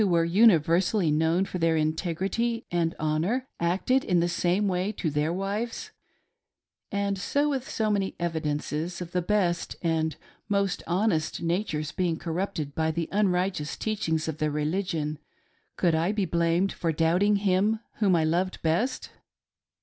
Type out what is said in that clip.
were universally known for their integrity and honor acted in the same way to their wives ; and with so many evidences of the best and most honest natures being corrupted by the unrighteous teachings of their religion, could I be blamed for doubting him whom I loved best